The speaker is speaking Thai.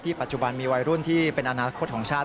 ปัจจุบันมีวัยรุ่นที่เป็นอนาคตของชาติ